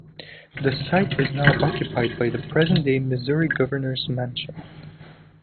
The site is now occupied by the present-day Missouri Governor's Mansion.